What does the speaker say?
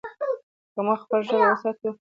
که موږ خپله ژبه وساتو، نو د پوهې کلتور به قوي سي.